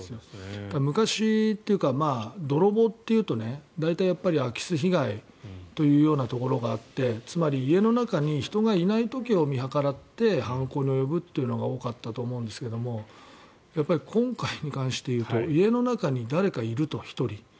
昔というか泥棒っていうと大体、空き巣被害というところがあってつまり、家の中に人がいない時を見計らって犯行に及ぶというのが多かったと思うんですけども今回に関していうと家の中に誰か１人いると。